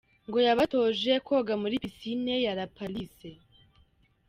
Ngo yabatoje koga muri piscine ya La Palisse.